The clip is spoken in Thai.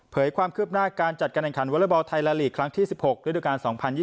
ความคืบหน้าการจัดการแห่งขันวอเลอร์บอลไทยแลนดลีกครั้งที่๑๖ฤดูกาล๒๐๒๐